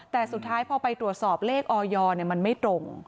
แต่สุดท้ายพอไปตรวจสอบเลขออยมันไม่ตรง